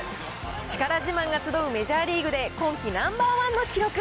力自慢が集うメジャーリーグで、今季ナンバー１の記録。